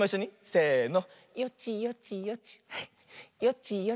せの。